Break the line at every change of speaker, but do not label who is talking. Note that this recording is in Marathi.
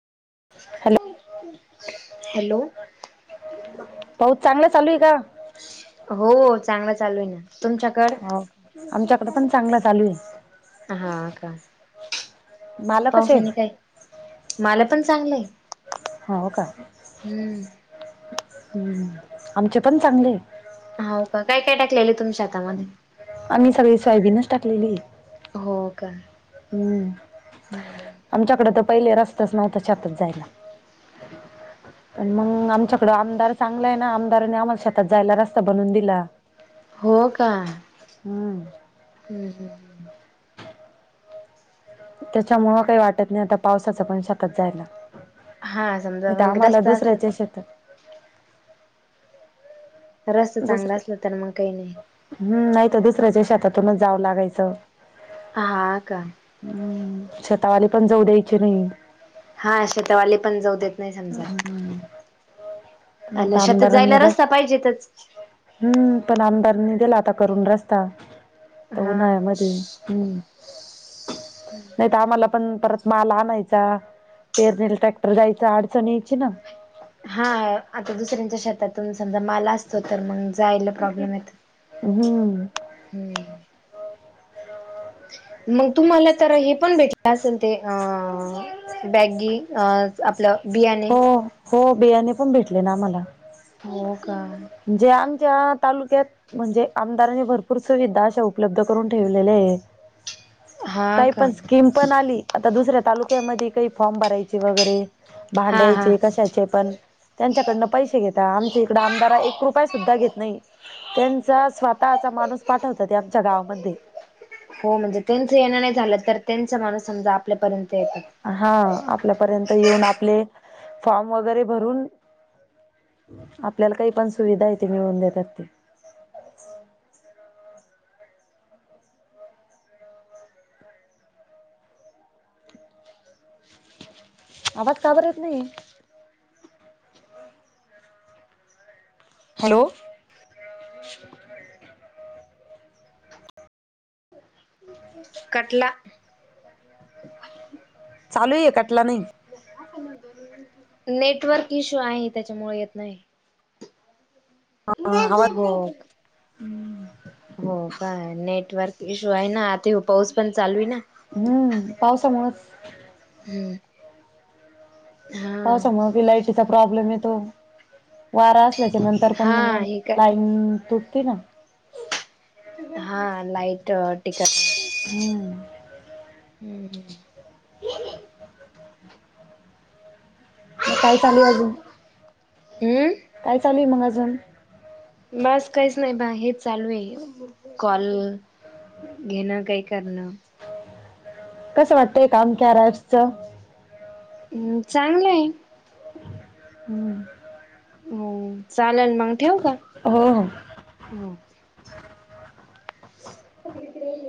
हॅलो
हॅलो,
पाऊस चांगलं चालू आहे का?
हो चांगला चालू आहे ना, तुमच्या
हो आमच्याकडें पण चांगलं चालू आहे.
हा का?
मालक कसे
पावसाने काय मला पण चांगलंय.
हो हो का?
हम्म
हम्म आमचे पण चांगले आहे.
हा हो का काय काय टाकलेल तुमच्या शेतामध्ये,
आम्ही सगळी सोयाबीनच टाकलेली.
हो का?
हम्
हम्म
आमच्याकडे तर पहिले रस्ताच नव्हता शेतात जायला. पण मग आमच्याकडें आमदार चांगला आहे ना, आम्हाला शेतात रस्ता बनवून दिला.
हो का?
हम्
हम् हम्
त्याच्यामुळं काही वाटत नाही आता पावसाचं पण शेतात जायला.
हा समजा
नाही
मग
आम्हाला
रस्ता असला
दुसऱ्याच्या शेतात
रस्ता चांगला असला तर मग काही नाही.
हम् नाही तर दुसऱ्याच्या शेतातूनच जावं लागायचं.
हा का?
हम्म शेतावाली पण जाऊ द्यायची नाही.
हा शेतवाली पण जाऊ देत. नाही समजा,
हम्म
आणि
आता
शेतात
आमदारांनी
जायला
रस्
रस्ता पाहिजे तर
हम्म पण आमदारनी दिला आता करून रस्ता आता
हा
उन्हाळ्यामध्ये हम्म नाही. आम्हाला पण परत माल आणायचा पेरणीला ट्रॅक्टर जायचा अडचण यायची ना, ह [unintelligible]
हा आता शेतातून समजा माला तर मग जायला प्रॉब्लेम येत.
हम्म
हम्म मग तुम्हाला तर हे पण भेटलं असेल ते अ बॅगी आपलं बियाणे
हो हो बियाणे पण भेटले ना, आम्हाला
हो का?
जे आमच्या तालुक्यात म्हणजे आमदारांनी भरपूर सुविधा अशा उपलब्ध करून ठेवलेल्या आहे.
हा
काही
का
पण स्कीम आली दुसऱ्या तालुक्यामध्ये काही फॉर्म भरायचे वगैरे,
हा हा
भांड्याचे कशाचे पण त्यांच्याकडनं पैसे घेता आमच्या इकड आमदार एक रुपया सुद्धा घेत नाही. त्यांचा स्वतःचा माणूस पाठवतात आमच्या गावामध्ये.
हो म्हणजे त्यांचं येणं नाही झालं तर त्यांचा माणूस समजा आपल्यापर्यंत येत.
हा आपल्यापर्यंत येऊन आपले फॉर्म वगैरे भरून. आपल्याला काही पण सुविधा येते मिळवून देतात ते. आवाज का बर येत नाही? हॅलो!
[inaudible] कटला.
चालूये कटला नाही. [inaudible]
नेटवर्क ईश्यू आहे त्याच्यामुळे येत नाही.
आवाज
[unintelligible] हो [inaudible] हो काय नेटवर्क इश्यू आहे ना आता पाऊस पण चालूये ना.
हम्म, पावसामुळच
हम्म. हा
पावसामुळे मग की लाईटीचा प्रॉब्लेम येतो. वारा असल्याच्या नंतर पण
हा हे
लाईट.
काय
हम्म तुटती ना.
हा लाइट टिकत. नाही
हम्म.
हम्म हम.
मग काय चालू अजून?
[inaudible] हम्म?
काय चालू आहे मग अजून?
बास काहीच नाही बा हेच चालू आहे कॉल. घेणं काही करणं.
कसं वाटतंय काम कार्या ऐपचं?
हम् चांगलं आहे.
हम्.
हम्, चालेल मग ठेवू का?
हो हो
ह [inaudible] [unintelligible]